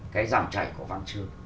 cái dòng chảy của văn chương